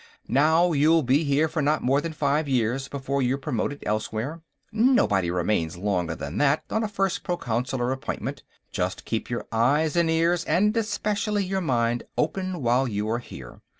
"Now, you'll be here for not more than five years before you're promoted elsewhere. Nobody remains longer than that on a first Proconsular appointment. Just keep your eyes and ears and, especially, your mind, open while you are here.